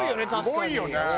すごいよね。